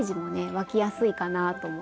湧きやすいかなと思います。